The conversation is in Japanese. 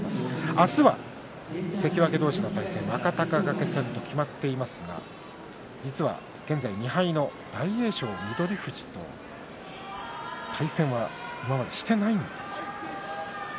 明日は関脇同士の対戦若隆景戦と決まっていますが実は現在２敗の大栄翔は翠富士との対戦は今までにしていないんです。